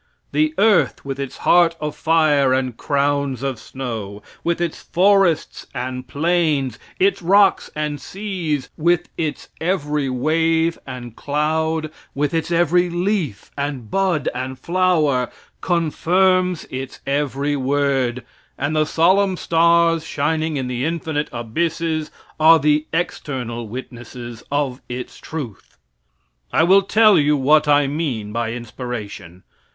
The earth, with its heart of fire and crowns of snow; with its forests and plains, its rocks and seas; with its every wave and cloud; with its every leaf and bud and flower, confirms its every word, and the solemn stars, shining in the infinite abysses, are the external witnesses of its truth. I will tell you what I mean by inspiration.